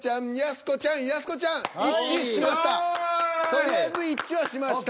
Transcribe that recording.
とりあえず一致はしました。